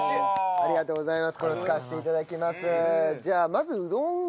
ありがとうございます。